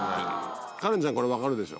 カレンちゃんこれ分かるでしょ。